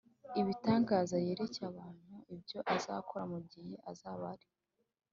ibitangaza yereke abantu ibyo azakora mu gihe azaba ari